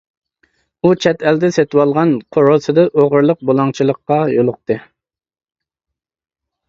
ئۇ چەت ئەلدە سېتىۋالغان قورۇسىدا ئوغرىلىق-بۇلاڭچىلىققا يولۇقتى.